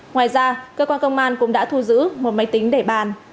ngoài ra cơ quan công an cũng đã thu giữ một máy tính để bàn